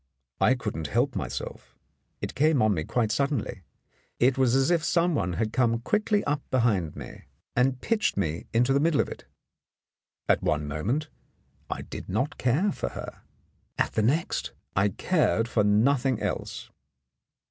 I couldn't help myself; it came on me quite suddenly. It was as if someone had come quickly up behind me 1 20 In the Dark and pitched me into the middle of it. At one moment I did not care for her; at the next I cared for nothing else.'"'